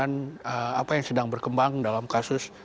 untuk mendiskusikan apa yang sedang berkembang dalam kasus